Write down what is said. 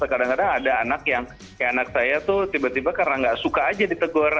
kadang kadang ada anak yang kayak anak saya tuh tiba tiba karena nggak suka aja ditegur